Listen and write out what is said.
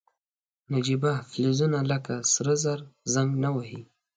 نجیبه فلزونه لکه سره زر زنګ نه وهي.